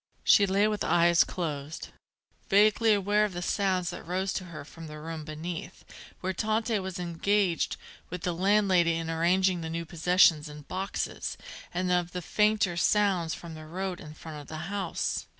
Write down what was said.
She lay with eyes closed, vaguely aware of the sounds that rose to her from the room beneath, where Tante was engaged with the landlady in arranging the new possessions in boxes, and of the fainter sounds from the road in front of the house.